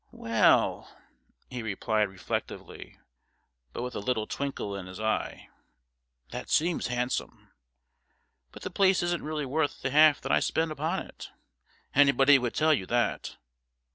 'Well,' he replied reflectively, but with a little twinkle in his eye, 'that seems handsome. But the place isn't really worth the half that I spent upon it. Anybody would tell you that.